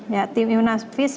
ya tim ibu nafis